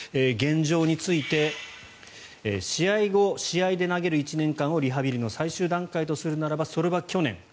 現状について試合後、試合で投げる１年間をリハビリの最終段階とするならそれは去年。